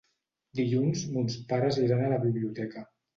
Dilluns mons pares iran a la biblioteca.